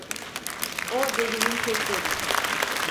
O delinin teki.